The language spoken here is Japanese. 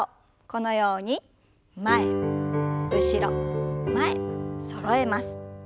このように前後ろ前そろえます。